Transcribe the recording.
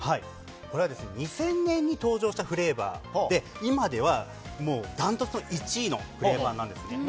これは、２０００年に登場したフレーバーで今では断トツの１位のフレーバーなんですね。